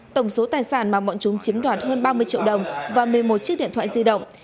tổng số tài sản mà bọn chúng chiếm đoạt hơn ba mươi triệu đồng và một mươi một chiếc điện thoại di động